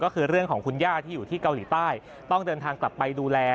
ก็คือเรื่องของคุณย่าที่อยู่ที่เกาหลีใต้ต้องเดินทางกลับไปดูแล